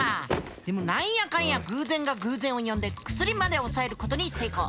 でも何やかんや偶然が偶然を呼んで薬まで押さえることに成功。